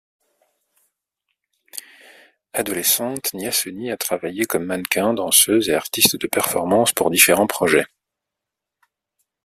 Adolescente, Niasony a travaillé comme mannequin, danseuse et artiste de performance pour différents projets.